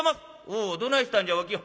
「おおどないしたんじゃお清」。